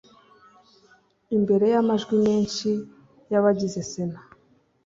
Imbere y’amajwi menshi y’abagize Sena